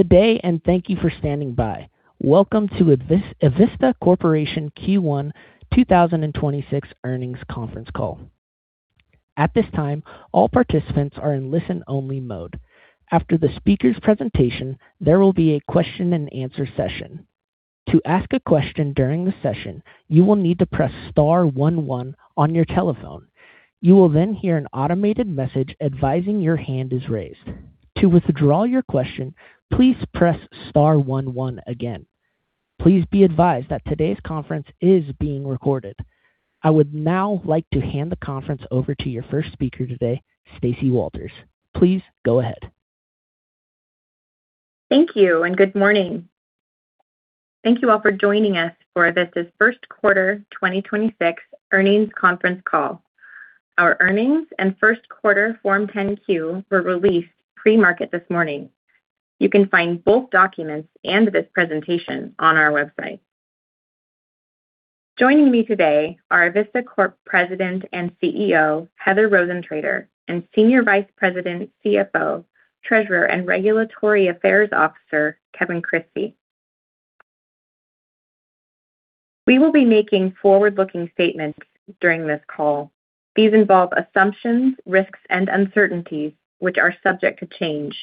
Good day, and thank you for standing by. Welcome to Avista Corporation Q1 2026 Warnings Conference Call. At this time, all participants are in listen-only mode. After the speaker's presentation, there will be a question-and-answer session. To ask a question during the session, you will need to press star one one on your telephone. You will then hear an automated message advising your hand is raised. To withdraw your question, please press star one one again. Please be advised that today's conference is being recorded. I would now like to hand the conference over to your first speaker today, Stacey Walters. Please go ahead. Thank you. Good morning. Thank you all for joining us for Avista's Q1 2026 earnings conference call. Our earnings and Q1 Form 10-Q were released pre-market this morning. You can find both documents and this presentation on our website. Joining me today are Avista Corp President and CEO, Heather Rosentrater, and Senior Vice President, CFO, Treasurer, and Regulatory Affairs Officer, Kevin Christie. We will be making forward-looking statements during this call. These involve assumptions, risks, and uncertainties which are subject to change.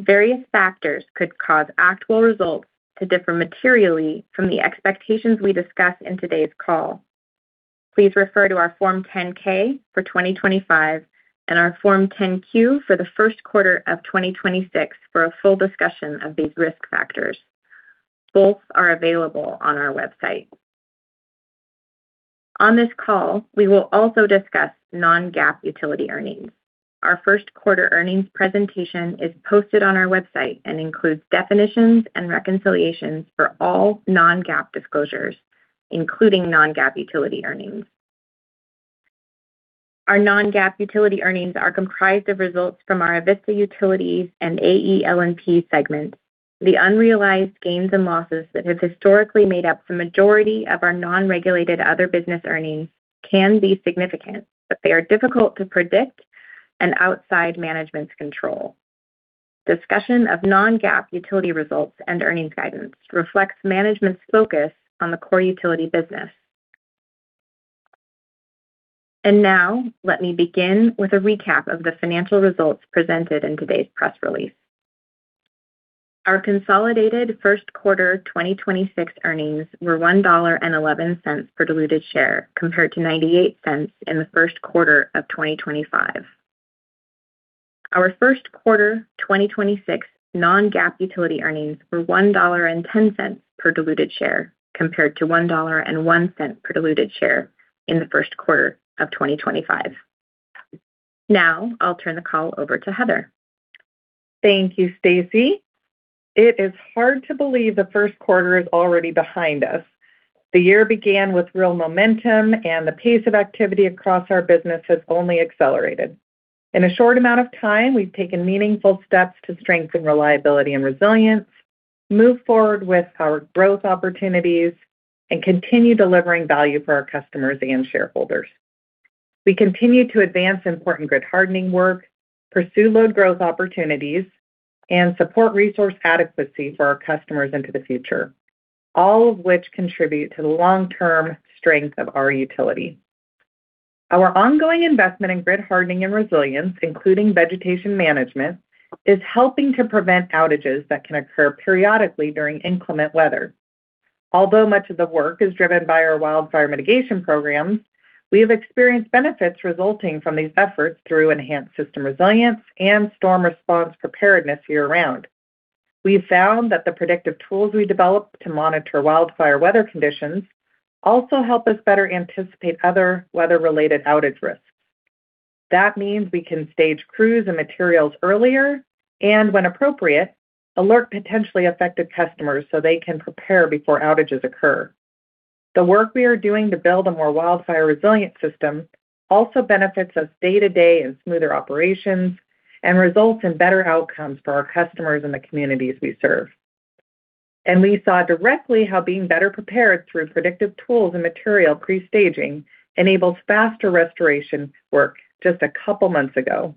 Various factors could cause actual results to differ materially from the expectations we discuss in today's call. Please refer to our Form 10-K for 2025 and our Form 10-Q for the Q1 of 2026 for a full discussion of these risk factors. Both are available on our website. On this call, we will also discuss non-GAAP utility earnings. Our Q1 earnings presentation is posted on our website and includes definitions and reconciliations for all non-GAAP disclosures, including non-GAAP utility earnings. Our non-GAAP utility earnings are comprised of results from our Avista Utilities and AEL&P segment. The unrealized gains and losses that have historically made up the majority of our non-regulated other business earnings can be significant, but they are difficult to predict and outside management's control. Discussion of non-GAAP utility results and earnings guidance reflects management's focus on the core utility business. Let me begin with a recap of the financial results presented in today's press release. Our consolidated Q1 2026 earnings were $1.11 per diluted share compared to $0.98 in the Q1 of 2025. Our Q1 2026 non-GAAP utility earnings were $1.10 per diluted share compared to $1.01 per diluted share in the Q1 of 2025. Now, I'll turn the call over to Heather. Thank you, Stacey. It is hard to believe the Q1 is already behind us. The year began with real momentum, and the pace of activity across our business has only accelerated. In a short amount of time, we've taken meaningful steps to strengthen reliability and resilience, move forward with our growth opportunities, and continue delivering value for our customers and shareholders. We continue to advance important grid hardening work, pursue load growth opportunities, and support resource adequacy for our customers into the future, all of which contribute to the long-term strength of our utility. Our ongoing investment in grid hardening and resilience, including vegetation management, is helping to prevent outages that can occur periodically during inclement weather. Although much of the work is driven by our wildfire mitigation programs, we have experienced benefits resulting from these efforts through enhanced system resilience and storm response preparedness year-round. We found that the predictive tools we developed to monitor wildfire weather conditions also help us better anticipate other weather-related outage risks. That means we can stage crews and materials earlier and, when appropriate, alert potentially affected customers so they can prepare before outages occur. The work we are doing to build a more wildfire-resilient system also benefits us day-to-day in smoother operations and results in better outcomes for our customers and the communities we serve. We saw directly how being better prepared through predictive tools and material pre-staging enables faster restoration work just a couple months ago.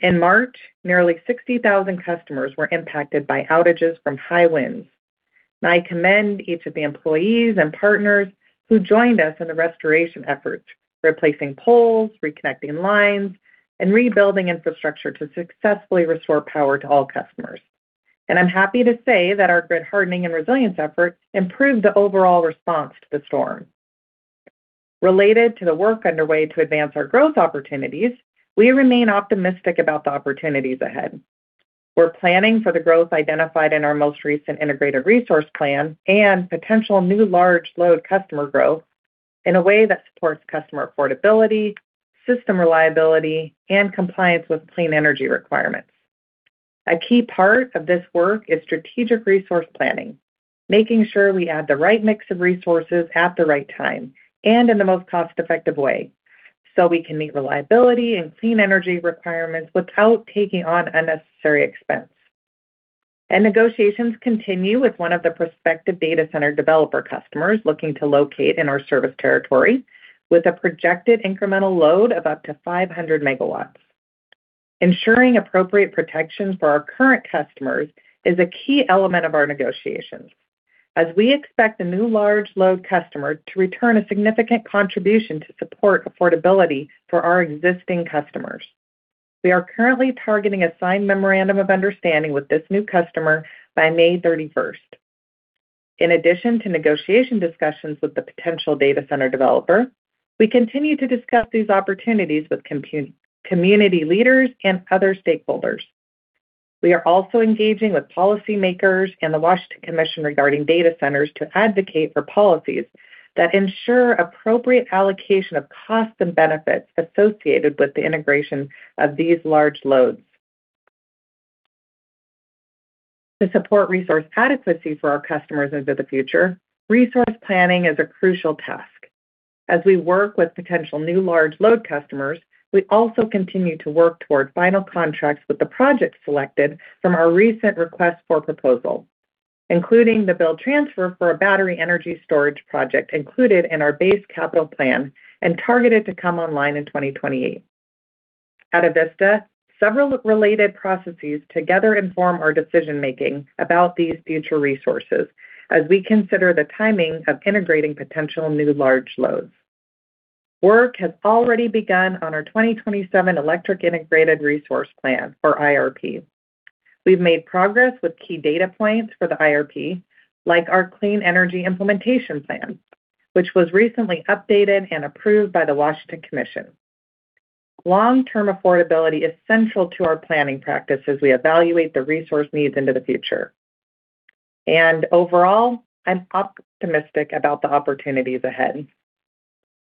In March, nearly 60,000 customers were impacted by outages from high winds. I commend each of the employees and partners who joined us in the restoration efforts, replacing poles, reconnecting lines, and rebuilding infrastructure to successfully restore power to all customers. I'm happy to say that our grid hardening and resilience efforts improved the overall response to the storm. Related to the work underway to advance our growth opportunities, we remain optimistic about the opportunities ahead. We're planning for the growth identified in our most recent Integrated Resource Plan and potential new large load customer growth in a way that supports customer affordability, system reliability, and compliance with clean energy requirements. A key part of this work is strategic resource planning, making sure we add the right mix of resources at the right time and in the most cost-effective way, so we can meet reliability and clean energy requirements without taking on unnecessary expense. Negotiations continue with one of the prospective data center developer customers looking to locate in our service territory with a projected incremental load of up to 500 MW. Ensuring appropriate protection for our current customers is a key element of our negotiations as we expect the new large load customer to return a significant contribution to support affordability for our existing customers. We are currently targeting a signed memorandum of understanding with this new customer by May 31st. In addition to negotiation discussions with the potential data center developer, we continue to discuss these opportunities with community leaders and other stakeholders. We are also engaging with policymakers and the Washington Commission regarding data centers to advocate for policies that ensure appropriate allocation of costs and benefits associated with the integration of these large loads. To support resource adequacy for our customers into the future, resource planning is a crucial task. As we work with potential new large load customers, we also continue to work toward final contracts with the project selected from our recent request for proposal, including the build-transfer for a battery energy storage project included in our base capital plan and targeted to come online in 2028. At Avista, several related processes together inform our decision-making about these future resources as we consider the timing of integrating potential new large loads. Work has already begun on our 2027 electric Integrated Resource Plan or IRP. We've made progress with key data points for the IRP, like our Clean Energy Implementation Plan, which was recently updated and approved by the Washington Commission. Long-term affordability is central to our planning practice as we evaluate the resource needs into the future. Overall, I'm optimistic about the opportunities ahead.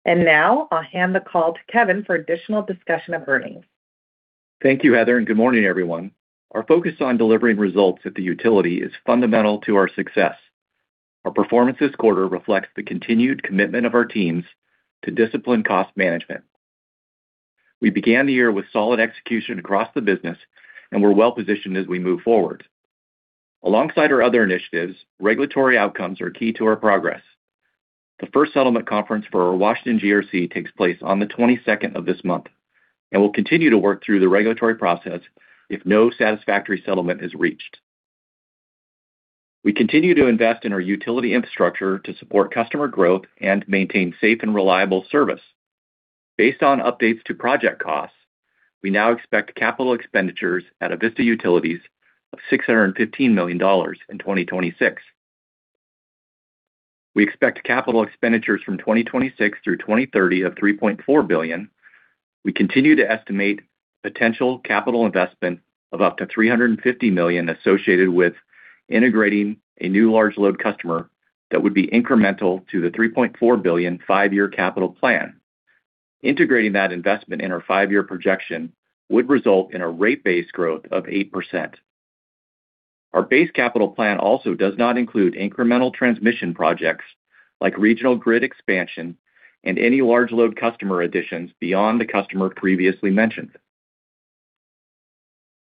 Now I'll hand the call to Kevin for additional discussion of earnings. Thank you, Heather, and good morning, everyone. Our focus on delivering results at the utility is fundamental to our success. Our performance this quarter reflects the continued commitment of our teams to discipline cost management. We began the year with solid execution across the business, and we're well-positioned as we move forward. Alongside our other initiatives, regulatory outcomes are key to our progress. The first settlement conference for our Washington GRC takes place on the 22nd of this month, and we'll continue to work through the regulatory process if no satisfactory settlement is reached. We continue to invest in our utility infrastructure to support customer growth and maintain safe and reliable service. Based on updates to project costs, we now expect capital expenditures at Avista Utilities of $615 million in 2026. We expect capital expenditures from 2026 through 2030 of $3.4 billion. We continue to estimate potential capital investment of up to $350 million associated with integrating a new large load customer that would be incremental to the $3.4 billion five-year capital plan. Integrating that investment in our five-year projection would result in a rate-based growth of 8%. Our base capital plan also does not include incremental transmission projects like regional grid expansion and any large load customer additions beyond the customer previously mentioned.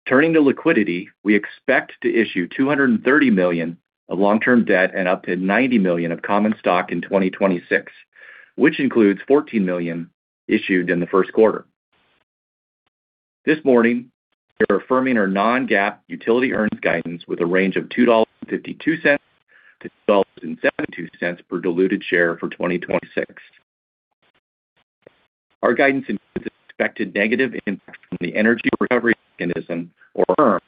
Turning to liquidity, we expect to issue $230 million of long-term debt and up to $90 million of common stock in 2026, which includes $14 million issued in the Q1. This morning, we're affirming our non-GAAP utility earnings guidance with a range of $2.52-$2.72 per diluted share for 2026. Our guidance includes expected negative impact from the energy recovery mechanism or ERM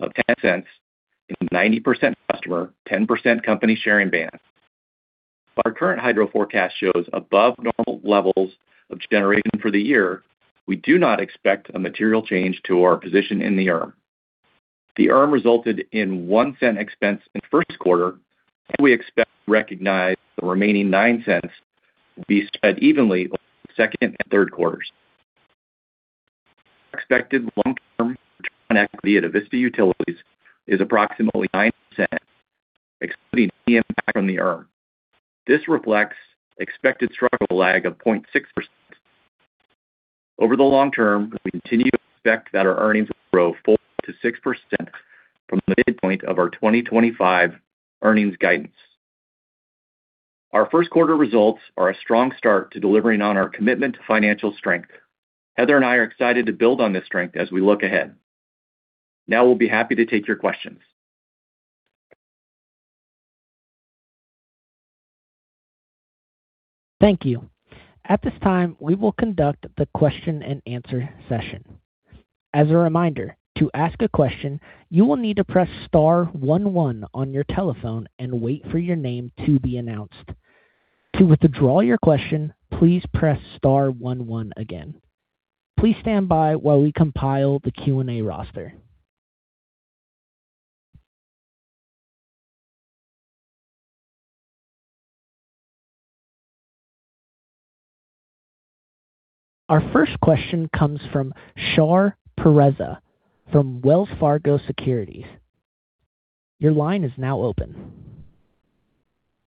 of $0.10 in 90% customer, 10% company sharing band. Our current hydro forecast shows above normal levels of generation for the year. We do not expect a material change to our position in the ERM. The ERM resulted in $0.01 expense in the Q1, and we expect to recognize the remaining $0.09 will be spread evenly over the second and third quarters. Expected long-term return on equity at Avista Utilities is approximately 9%, excluding any impact from the ERM. This reflects expected structural lag of 0.6%. Over the long term, we continue to expect that our earnings will grow 4%-6% from the midpoint of our 2025 earnings guidance. Our Q1 results are a strong start to delivering on our commitment to financial strength. Heather and I are excited to build on this strength as we look ahead. We'll be happy to take your questions. Thank you. At this time, we will conduct the question-and-answer session. As a reminder, to ask a question, you will need to press star one one on your telephone and wait for your name to be announced. To withdraw your question, please press star one one again. Please stand by while we compile the Q&A roster. Our first question comes from Shar Pourreza from Wells Fargo Securities. Your line is now open.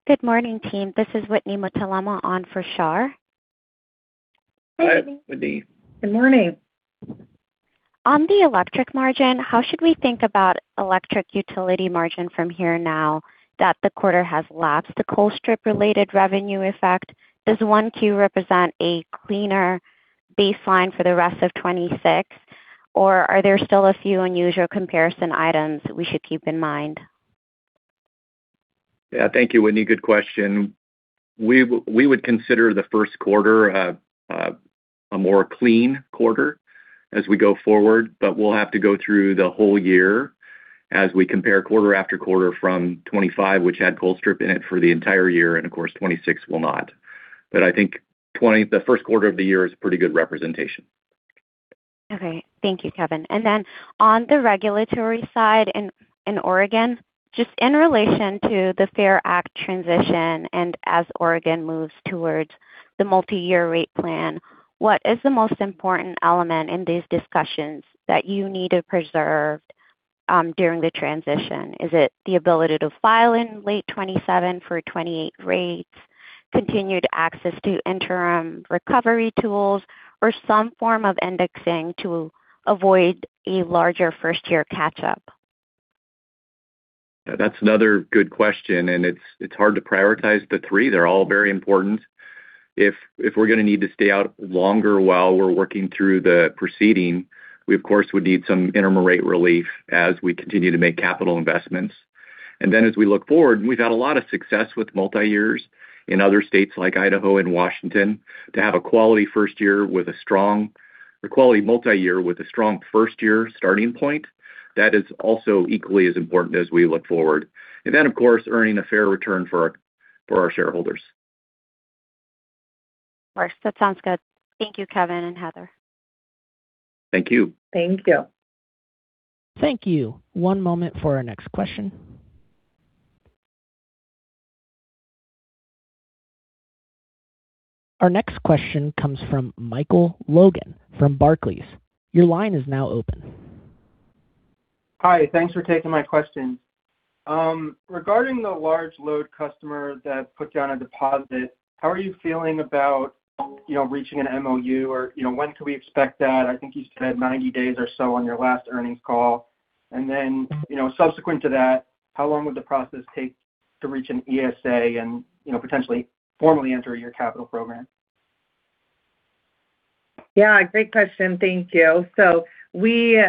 Good morning, team. This is Whitney Mutalemwa on for Shar. Hi, Whitney. Good morning. On the electric margin, how should we think about electric utility margin from here now that the quarter has lapsed the Colstrip related revenue effect? Does 1Q represent a cleaner baseline for the rest of 2026, or are there still a few unusual comparison items we should keep in mind? Thank you, Whitney. Good question. We would consider the Q1 a more clean quarter as we go forward. We'll have to go through the whole year as we compare quarter after quarter from 2025, which had Colstrip in it for the entire year, and of course, 2026 will not. I think the Q1 of the year is pretty good representation. Thank you, Kevin. On the regulatory side in Oregon, just in relation to the FAIR Act transition and as Oregon moves towards the multi-year rate plan, what is the most important element in these discussions that you need to preserve during the transition? Is it the ability to file in late 27 for 28 rates, continued access to interim recovery tools, or some form of indexing to avoid a larger first-year catch up? That's another good question, it's hard to prioritize the three. They're all very important. If we're going to need to stay out longer while we're working through the proceeding, we of course would need some interim rate relief as we continue to make capital investments. As we look forward, we've had a lot of success with multi-years in other states like Idaho and Washington to have a quality first year with a quality multi-year with a strong first year starting point. That is also equally as important as we look forward. Of course, earning a fair return for our shareholders. Of course. That sounds good. Thank you, Kevin and Heather. Thank you. Thank you. Thank you. One moment for our next question. Our next question comes from Michael Lonegan from Barclays. Your line is now open. Hi. Thanks for taking my question. Regarding the large load customer that put down a deposit, how are you feeling about, you know, reaching an MOU or, you know, when could we expect that? I think you said 90 days or so on your last earnings call. You know, subsequent to that, how long would the process take to reach an ESA and, you know, potentially formally enter your capital program? Yeah, great question. Thank you. We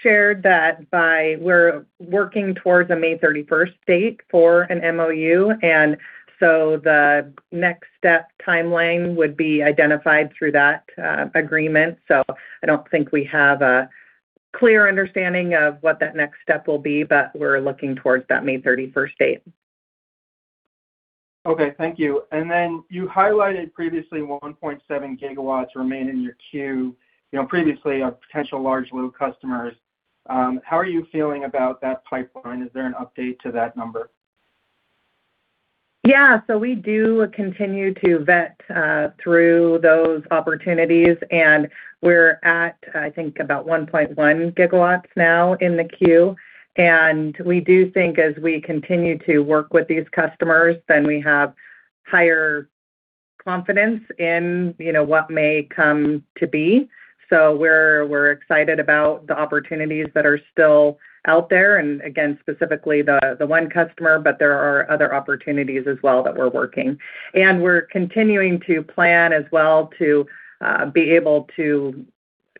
shared that by we're working towards a May 31st date for an MOU, the next step timeline would be identified through that agreement. I don't think we have a clear understanding of what that next step will be, but we're looking towards that May 31st date. Okay. Thank you. You highlighted previously 1.7 GW remain in your queue, you know, previously of potential large load customers. How are you feeling about that pipeline? Is there an update to that number? Yeah. We do continue to vet through those opportunities, and we're at, I think about 1.1 GW now in the queue. We do think as we continue to work with these customers, then we have higher confidence in, you know, what may come to be. We're, we're excited about the opportunities that are still out there and again, specifically the one customer, but there are other opportunities as well that we're working. We're continuing to plan as well to be able to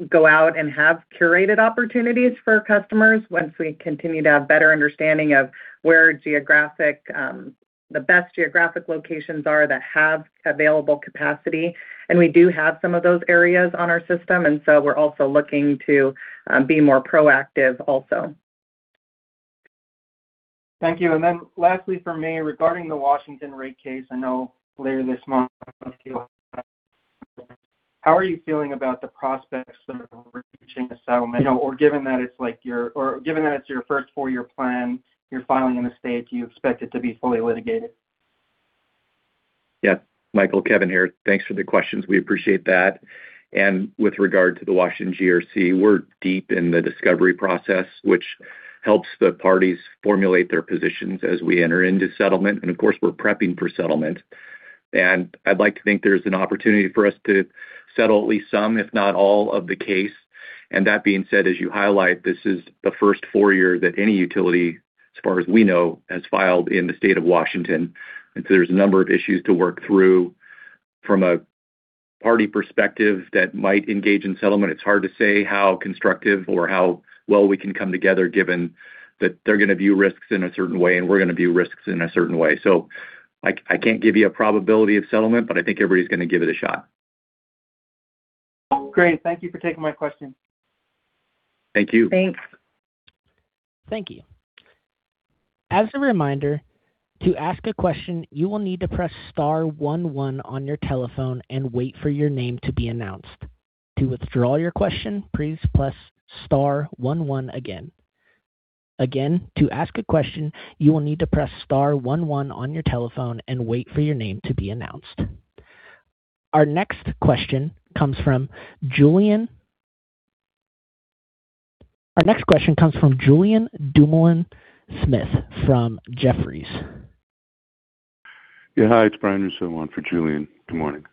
go out and have curated opportunities for customers once we continue to have better understanding of where geographic, the best geographic locations are that have available capacity. We do have some of those areas on our system, we're also looking to be more proactive also. Thank you. Lastly for me, regarding the Washington rate case, I know later this month, how are you feeling about the prospects of reaching a settlement? You know, given that it's your first four-year plan, you're filing in a state, do you expect it to be fully litigated? Yeah. Michael, Kevin here. Thanks for the questions. We appreciate that. With regard to the Washington GRC, we're deep in the discovery process, which helps the parties formulate their positions as we enter into settlement. Of course, we're prepping for settlement. I'd like to think there's an opportunity for us to settle at least some, if not all, of the case. That being said, as you highlight, this is the first four years that any utility, as far as we know, has filed in the state of Washington. There's a number of issues to work through. From a party perspective that might engage in settlement, it's hard to say how constructive or how well we can come together given that they're gonna view risks in a certain way and we're gonna view risks in a certain way. I can't give you a probability of settlement, but I think everybody's gonna give it a shot. Great. Thank you for taking my question. Thank you. Thanks. Thank you. As a reminder, to ask a question, you will need to press star one one on your telephone and wait for your name to be announced. To withdraw your question, please press star one one again. Again, to ask a question, you will need to press star one one on your telephone and wait for your name to be announced. Our next question comes from Julien Dumoulin-Smith from Jefferies. Yeah. Hi, it's Brian Russo on for Julien. Good morning.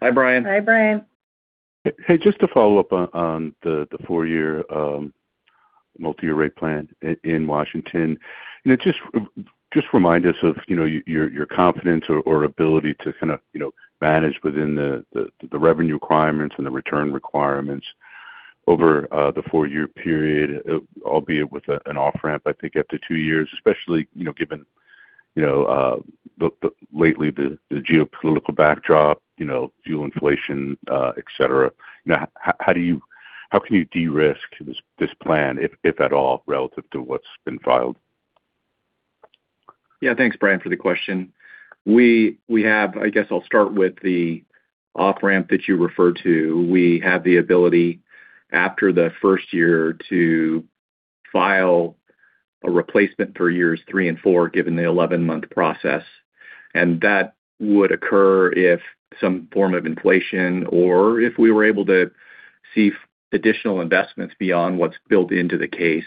Hi, Brian. Hi, Brian. Hey, just to follow-up on the four-year multi-year rate plan in Washington. You know, just remind us of, you know, your confidence or ability to kind of, you know, manage within the revenue requirements and the return requirements. Over the four-year period, albeit with an off-ramp, I think up to two years, especially, you know, given, you know, the lately the geopolitical backdrop, you know, fuel inflation, et cetera. How can you de-risk this plan, if at all, relative to what's been filed? Thanks, Brian, for the question. We have I guess I'll start with the off-ramp that you referred to. We have the ability after the first year to file a replacement for years three and four, given the 11-month process. That would occur if some form of inflation or if we were able to see additional investments beyond what's built into the case,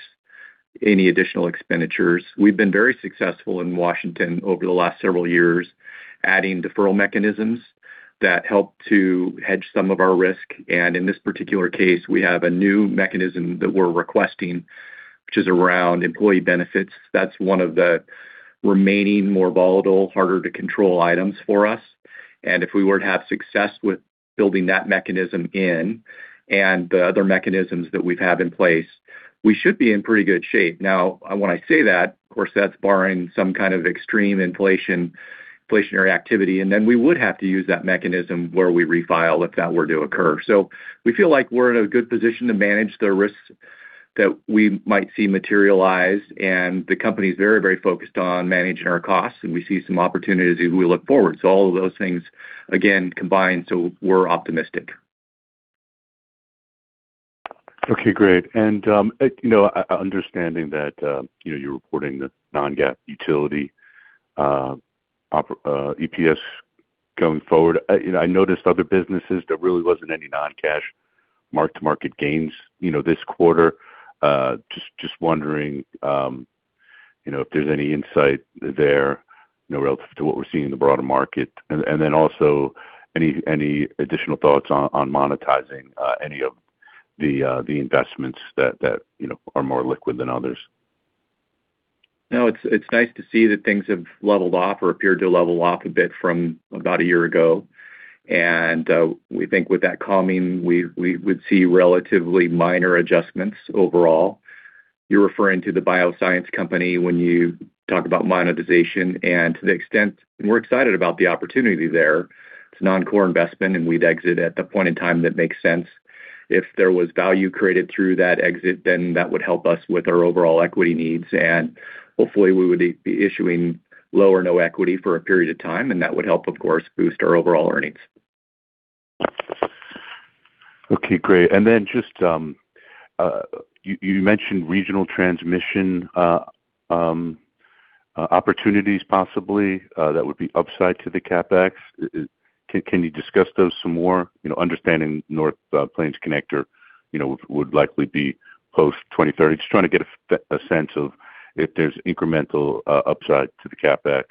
any additional expenditures. We've been very successful in Washington over the last several years, adding deferral mechanisms that help to hedge some of our risk. In this particular case, we have a new mechanism that we're requesting, which is around employee benefits. That's one of the remaining more volatile, harder to control items for us. If we were to have success with building that mechanism in and the other mechanisms that we have in place, we should be in pretty good shape. Now, when I say that, of course, that's barring some kind of extreme inflationary activity, and then we would have to use that mechanism where we refile if that were to occur. We feel like we're in a good position to manage the risks that we might see materialize, and the company is very, very focused on managing our costs, and we see some opportunities as we look forward. All of those things, again, combined, so we're optimistic. Okay, great. You know, understanding that, you know, you're reporting the non-GAAP utility, EPS going forward. You know, I noticed other businesses, there really wasn't any non-cash mark-to-market gains, you know, this quarter. Just wondering, you know, if there's any insight there, you know, relative to what we're seeing in the broader market. Then also any additional thoughts on monetizing any of the investments that, you know, are more liquid than others? No, it's nice to see that things have leveled off or appeared to level off a bit from about a year ago. We think with that calming, we would see relatively minor adjustments overall. You're referring to the bioscience company when you talk about monetization. To the extent we're excited about the opportunity there, it's a non-core investment, and we'd exit at the point in time that makes sense. If there was value created through that exit, that would help us with our overall equity needs. Hopefully, we would be issuing low or no equity for a period of time, and that would help, of course, boost our overall earnings. Okay, great. You mentioned regional transmission opportunities possibly that would be upside to the CapEx. Can you discuss those some more? You know, understanding North Plains Connector, you know, would likely be post 2030. Just trying to get a sense of if there's incremental upside to the CapEx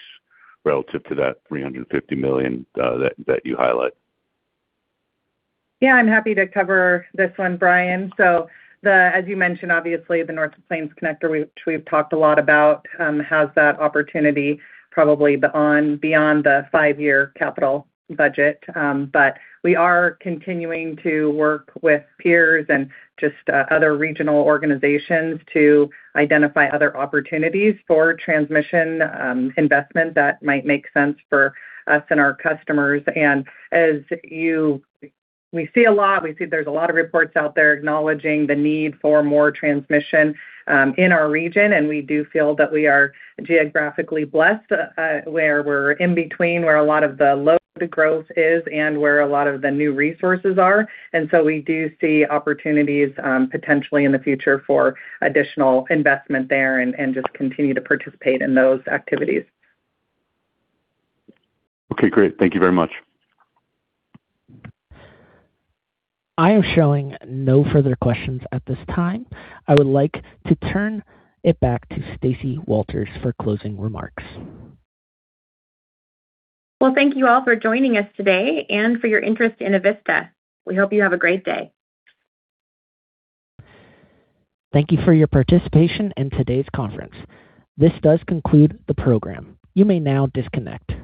relative to that $350 million that you highlight. I'm happy to cover this one, Brian. As you mentioned, obviously, the North Plains Connector, which we've talked a lot about, has that opportunity probably beyond the five-year capital budget. We are continuing to work with peers and just other regional organizations to identify other opportunities for transmission investment that might make sense for us and our customers. We see there's a lot of reports out there acknowledging the need for more transmission in our region, we do feel that we are geographically blessed where we're in between, where a lot of the load growth is and where a lot of the new resources are. We do see opportunities potentially in the future for additional investment there and just continue to participate in those activities. Okay, great. Thank you very much. I am showing no further questions at this time. I would like to turn it back to Stacey Walters for closing remarks. Thank you all for joining us today and for your interest in Avista. We hope you have a great day. Thank you for your participation in today's conference. This does conclude the program. You may now disconnect.